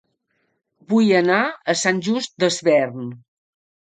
Vull anar a Sant Just Desvern